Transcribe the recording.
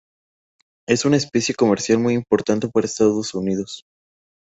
Es una especie comercial muy importante para Estados Unidos.